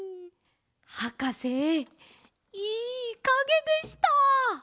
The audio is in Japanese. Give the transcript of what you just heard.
はかせいいかげでした！